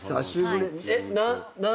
えっ何年？